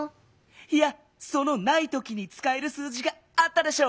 いやその「ないとき」につかえる数字があったでしょう？